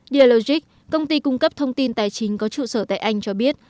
dialogic công ty cung cấp thông tin tài chính có trụ sở tại anh cho biết